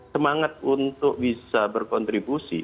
semangat untuk bisa berkontribusi